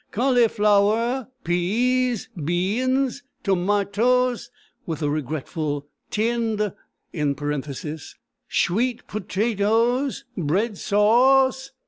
"Cauli flower! Pee es! Bee ens! Toe ma toes!" (with a regretful "tinned" in parenthesis)—"Shweet Poo tay toes! Bread Sau ce!"